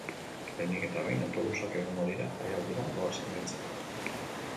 Lehenik eta behin, autobusak egongo dira jaialdira doazenentzat.